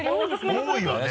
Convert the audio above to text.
多いよね。